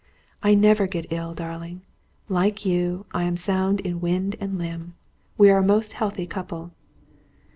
"I never get ill, darling. Like you, I am sound in wind and limb. We are a most healthy couple."